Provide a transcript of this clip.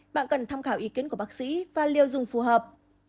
bạn cần tham khảo ý kiến của bác sĩ và liều dùng phù hợp